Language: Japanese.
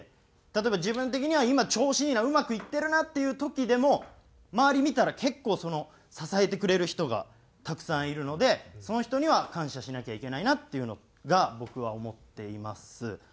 例えば自分的には今調子いいなうまくいってるなっていう時でも周り見たら結構その支えてくれる人がたくさんいるのでその人には感謝しなきゃいけないなっていうのが僕は思っています。